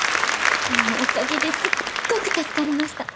おかげですっごく助かりました。